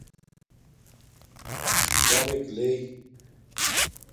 کمک لݵ